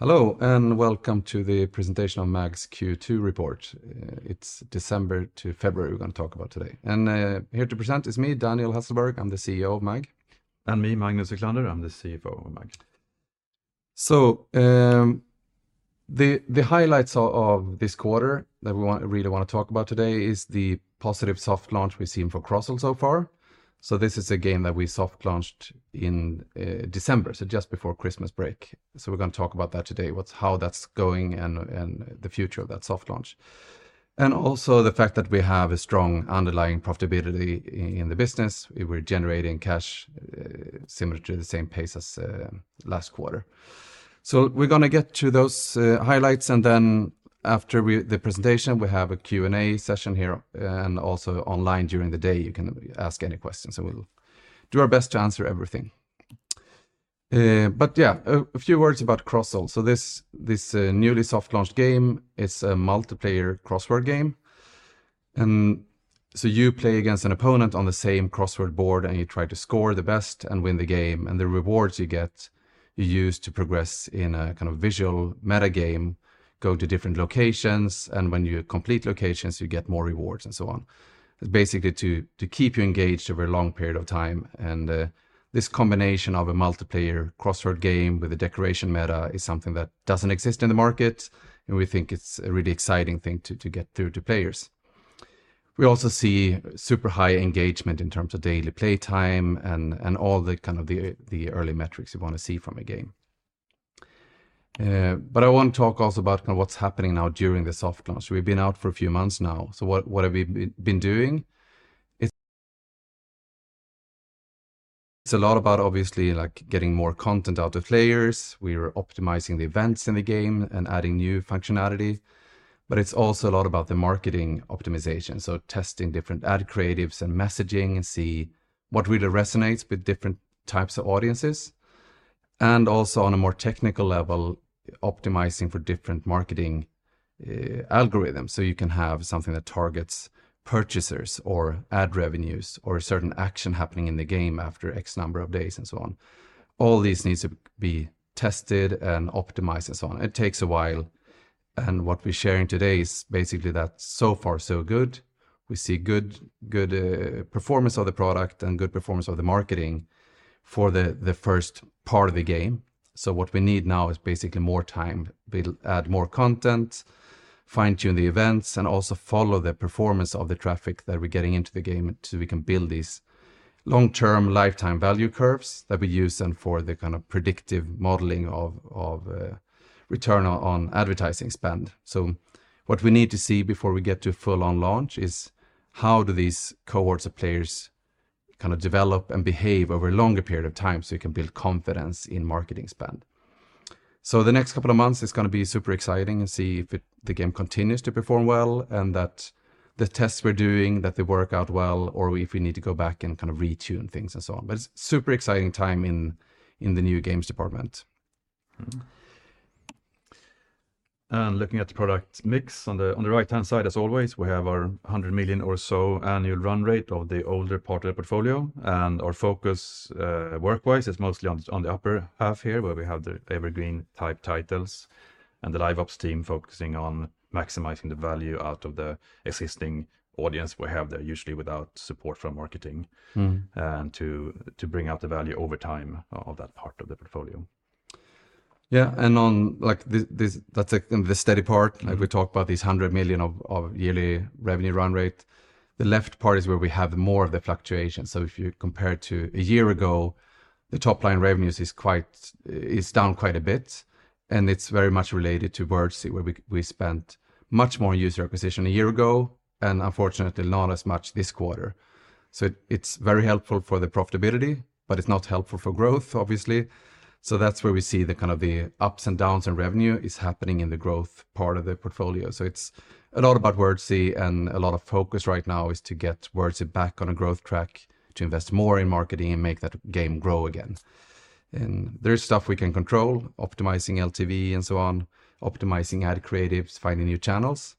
Hello, and welcome to the presentation of MAG's Q2 report. It's December-February we're gonna talk about today. Here to present is me, Daniel Hasselberg. I'm the CEO of MAG. Me, Magnus Wiklander, I'm the CFO of MAG. So, the highlights of this quarter that we really wanna talk about today is the positive soft launch we've seen for Crozzle so far. So this is a game that we soft-launched in December, so just before Christmas break. So we're gonna talk about that today, how that's going and the future of that soft launch. And also the fact that we have a strong underlying profitability in the business. We're generating cash, similar to the same pace as last quarter. So we're gonna get to those highlights, and then after the presentation, we have a Q&A session here, and also online during the day, you can ask any questions, and we'll do our best to answer everything. But yeah, a few words about Crozzle. So this newly soft-launched game is a multiplayer crossword game. So you play against an opponent on the same crossword board, and you try to score the best and win the game, and the rewards you get, you use to progress in a kind of visual meta game, go to different locations, and when you complete locations, you get more rewards, and so on. It's basically to keep you engaged over a long period of time, and this combination of a multiplayer crossword game with a decoration meta is something that doesn't exist in the market, and we think it's a really exciting thing to get through to players. We also see super high engagement in terms of daily play time and all the kind of early metrics you wanna see from a game. But I want to talk also about kinda what's happening now during the soft launch. We've been out for a few months now. So what have we been doing? It's a lot about obviously, like, getting more content out to players. We are optimizing the events in the game and adding new functionality, but it's also a lot about the marketing optimization, so testing different ad creatives and messaging, and see what really resonates with different types of audiences. And also on a more technical level, optimizing for different marketing algorithms. So you can have something that targets purchasers or ad revenues, or a certain action happening in the game after X number of days, and so on. All these need to be tested and optimized, and so on. It takes a while, and what we're sharing today is basically that so far, so good. We see good performance of the product and good performance of the marketing for the first part of the game. So what we need now is basically more time. We'll add more content, fine-tune the events, and also follow the performance of the traffic that we're getting into the game, so we can build these long-term lifetime value curves that we use, and for the kinda predictive modeling of return on advertising spend. So what we need to see before we get to full-on launch is how do these cohorts of players kinda develop and behave over a longer period of time, so you can build confidence in marketing spend? So the next couple of months, it's gonna be super exciting to see if it, the game continues to perform well, and that the tests we're doing, that they work out well, or if we need to go back and kind of retune things, and so on. But it's super exciting time in the new games department. Mm-hmm. And looking at the product mix, on the right-hand side, as always, we have our 100 million or so annual run rate of the older part of the portfolio, and our focus, work-wise, is mostly on the upper half here, where we have the evergreen-type titles, and the live ops team focusing on maximizing the value out of the existing audience we have there, usually without support from marketing- Mm-hmm... and to bring out the value over time of that part of the portfolio. Yeah, and on, like, this, that's, like, the steady part. Mm-hmm. Like, we talked about these 100 million yearly revenue run rate. The left part is where we have more of the fluctuation. So if you compare it to a year ago, the top-line revenues is quite, is down quite a bit, and it's very much related to Wordzee, where we, we spent much more user acquisition a year ago, and unfortunately, not as much this quarter. So it's very helpful for the profitability, but it's not helpful for growth, obviously. So that's where we see the kinda the ups and downs in revenue is happening in the growth part of the portfolio. So it's a lot about Wordzee, and a lot of focus right now is to get Wordzee back on a growth track, to invest more in marketing, and make that game grow again. There is stuff we can control, optimizing LTV and so on, optimizing ad creatives, finding new channels,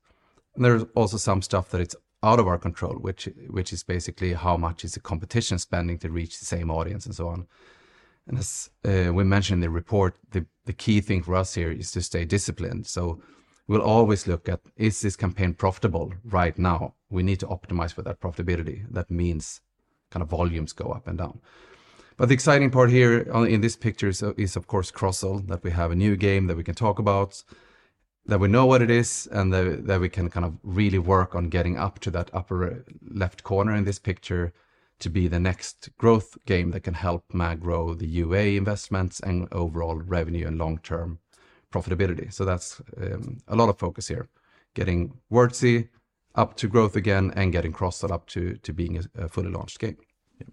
and there is also some stuff that it's out of our control, which is basically how much is the competition spending to reach the same audience, and so on. As we mentioned in the report, the key thing for us here is to stay disciplined. So we'll always look at, is this campaign profitable right now? We need to optimize for that profitability. That means kinda volumes go up and down. But the exciting part here in this picture is of course Crozzle, that we have a new game that we know what it is, and that we can kind of really work on getting up to that upper left corner in this picture, to be the next growth game that can help MAG grow the UA investments and overall revenue and long-term profitability. So that's a lot of focus here, getting Wordzee up to growth again and getting Crozzle up to being a fully launched game. Yeah.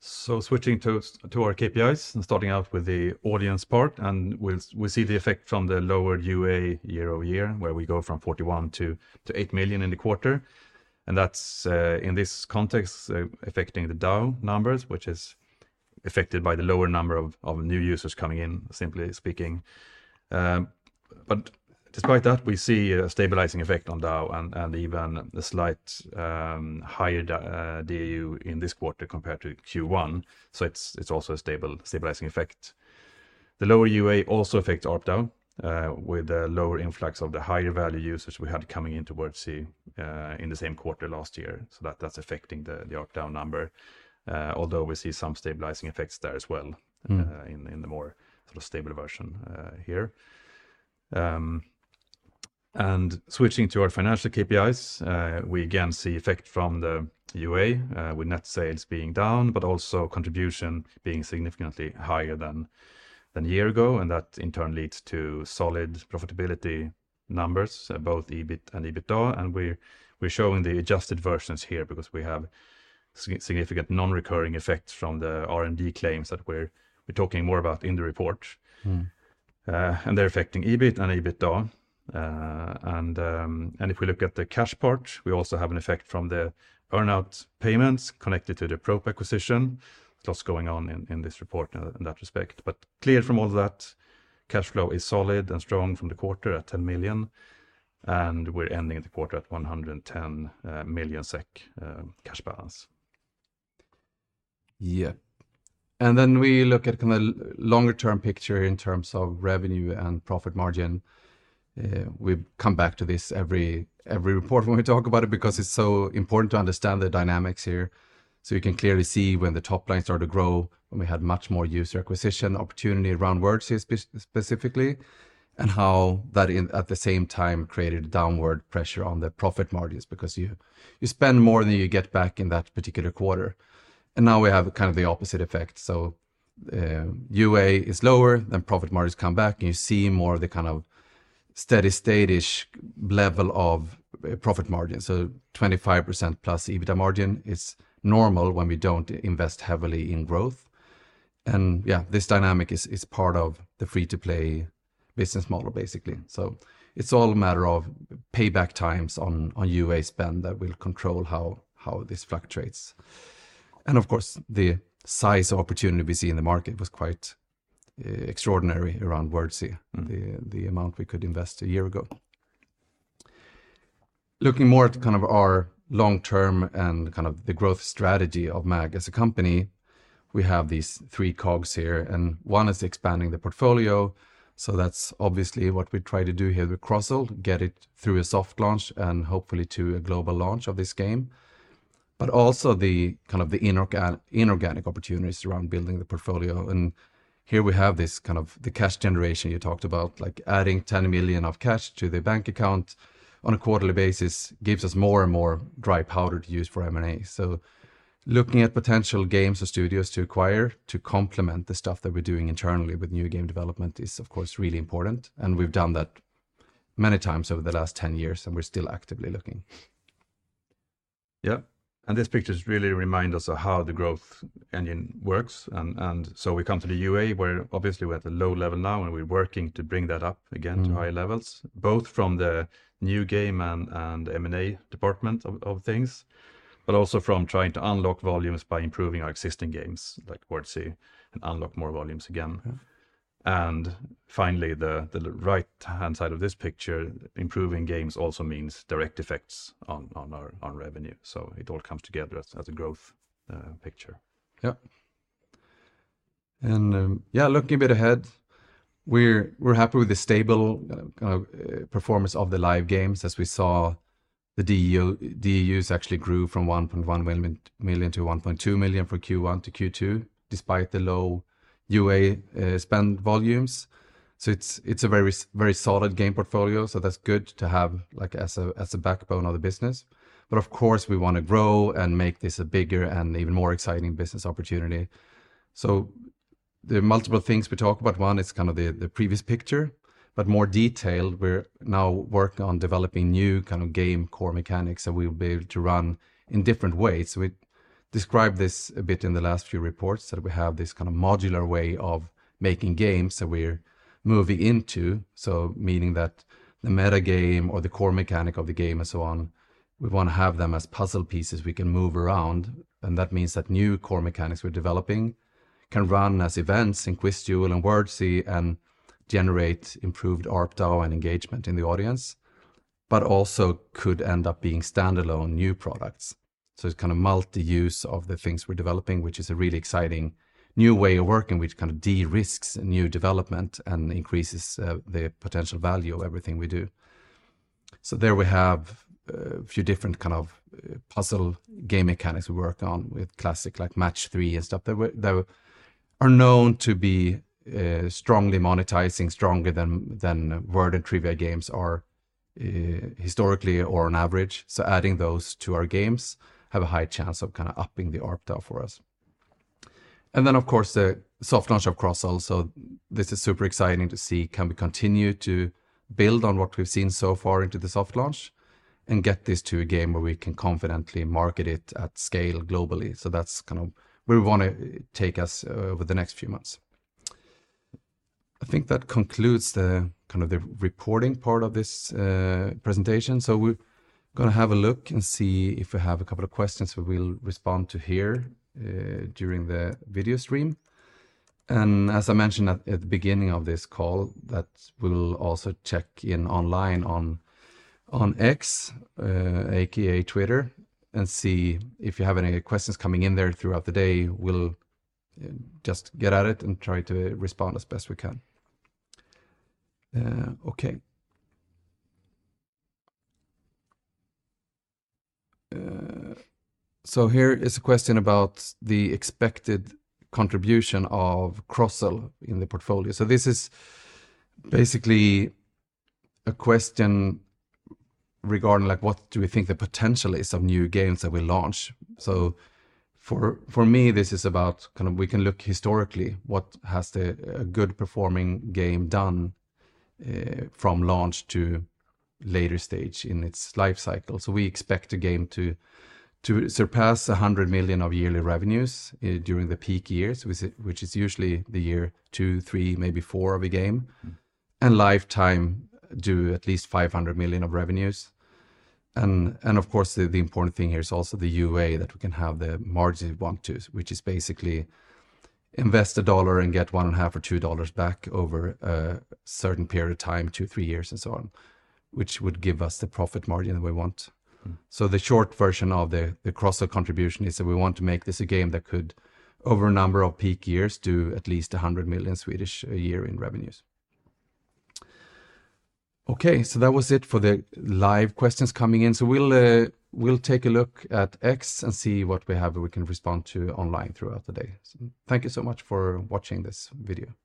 So switching to our KPIs and starting out with the audience part, and we'll see the effect from the lower UA year-over-year, where we go from 41 million-8 million in the quarter. And that's in this context affecting the DAU numbers, which is affected by the lower number of new users coming in, simply speaking. But despite that, we see a stabilizing effect on DAU and even a slight higher DAU in this quarter compared to Q1. So it's also a stabilizing effect. The lower UA also affects ARPDAU with the lower influx of the higher value users we had coming in towards the in the same quarter last year. So that's affecting the ARPDAU number, although we see some stabilizing effects there as well. Mm... in the more sort of stable version here. And switching to our financial KPIs, we again see effect from the UA, with net sales being down, but also contribution being significantly higher than a year ago, and that in turn leads to solid profitability numbers, both EBIT and EBITDA. And we're showing the adjusted versions here because we have significant non-recurring effects from the R&D claims that we're talking more about in the report. Mm. And they're affecting EBIT and EBITDA. And if we look at the cash part, we also have an effect from the earn-out payments connected to the Apprope acquisition. There's lots going on in this report in that respect. But, clear from all that, cash flow is solid and strong from the quarter at 10 million, and we're ending the quarter at 110 million SEK cash balance. Yeah. Then we look at kinda longer-term picture in terms of revenue and profit margin. We've come back to this every, every report when we talk about it, because it's so important to understand the dynamics here. So you can clearly see when the top line started to grow, when we had much more user acquisition opportunity around Wordzee specifically, and how that at the same time created downward pressure on the profit margins, because you, you spend more than you get back in that particular quarter. And now we have kind of the opposite effect. So, UA is lower, then profit margins come back, and you see more of the kind of steady-state-ish level of profit margin. So 25%+ EBITDA margin is normal when we don't invest heavily in growth. And yeah, this dynamic is, is part of the free-to-play business model, basically. So it's all a matter of payback times on UA spend that will control how this fluctuates. And of course, the size of opportunity we see in the market was quite extraordinary around Wordzee- Mm... the amount we could invest a year ago. Looking more at kind of our long-term and kind of the growth strategy of MAG as a company, we have these three cogs here, and one is expanding the portfolio. So that's obviously what we try to do here with Crozzle, get it through a soft launch and hopefully to a global launch of this game. But also kind of the inorganic opportunities around building the portfolio. And here we have this kind of the cash generation you talked about, like adding 10 million of cash to the bank account on a quarterly basis gives us more and more dry powder to use for M&A. Looking at potential games or studios to acquire, to complement the stuff that we're doing internally with new game development is of course, really important, and we've done that many times over the last 10 years, and we're still actively looking. Yeah, and this picture really remind us of how the growth engine works, and so we come to the UA, where obviously we're at a low level now, and we're working to bring that up again- Mm... to higher levels, both from the new game and M&A department of things, but also from trying to unlock volumes by improving our existing games, like Wordzee, and unlock more volumes again. Yeah. Finally, the right-hand side of this picture, improving games also means direct effects on our revenue. So it all comes together as a growth picture. Yeah. And, yeah, looking a bit ahead, we're, we're happy with the stable, kind of, performance of the live games. As we saw, the DAUs actually grew from 1.1 million-1.2 million from Q1 to Q2, despite the low UA spend volumes. So it's, it's a very solid game portfolio, so that's good to have, like, as a, as a backbone of the business. But of course, we wanna grow and make this a bigger and even more exciting business opportunity. So there are multiple things we talk about. One is kind of the previous picture, but more detailed, we're now working on developing new kind of game core mechanics that we'll be able to run in different ways. We described this a bit in the last few reports, that we have this kind of modular way of making games that we're moving into, so meaning that the meta game or the core mechanic of the game and so on, we wanna have them as puzzle pieces we can move around, and that means that new core mechanics we're developing can run as events in QuizDuel and Wordzee, and generate improved ARPDAU and engagement in the audience, but also could end up being standalone new products. So it's kind of multi-use of the things we're developing, which is a really exciting new way of working, which kind of de-risks new development and increases the potential value of everything we do. So there we have a few different kind of puzzle game mechanics we work on with classic, like Match 3 and stuff, that are known to be strongly monetizing, stronger than word and trivia games are historically or on average. So adding those to our games have a high chance of kinda upping the ARPDAU for us. And then, of course, the soft launch of Crozzle. So this is super exciting to see. Can we continue to build on what we've seen so far into the soft launch and get this to a game where we can confidently market it at scale globally? So that's kind of where we wanna take us over the next few months. I think that concludes the kind of the reporting part of this presentation. So we're gonna have a look and see if we have a couple of questions we will respond to here during the video stream. And as I mentioned at the beginning of this call, that we'll also check in online on X, AKA Twitter, and see if you have any questions coming in there throughout the day. We'll just get at it and try to respond as best we can. Okay. So here is a question about the expected contribution of Crozzle in the portfolio. So this is basically a question regarding, like, what do we think the potential is of new games that we launch? So for me, this is about kind of, we can look historically, what has a good performing game done from launch to later stage in its life cycle? So we expect the game to surpass 100 million of yearly revenues during the peak years, which is usually the year two, three, maybe four of a game, and lifetime, do at least 500 million of revenues. And of course, the important thing here is also the UA, that we can have the margin we want to, which is basically invest $1 and get $1.5 or $2 back over a certain period of time, two, three years, and so on, which would give us the profit margin that we want. Mm. So the short version of the Crozzle contribution is that we want to make this a game that could, over a number of peak years, do at least 100 million a year in revenues. Okay, so that was it for the live questions coming in. So we'll, we'll take a look at X and see what we have that we can respond to online throughout the day. So thank you so much for watching this video. Thank you.